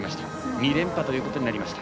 ２連覇ということになりました。